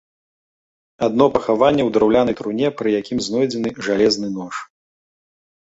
Адно пахаванне ў драўлянай труне, пры якім знойдзены жалезны нож.